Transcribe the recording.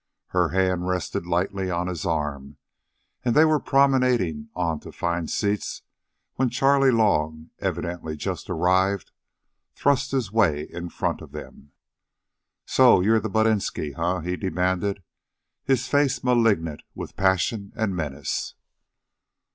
Her hand rested lightly on his arm, and they were promenading on to find seats, when Charley Long, evidently just arrived, thrust his way in front of them. "So you're the buttinsky, eh?" he demanded, his face malignant with passion and menace.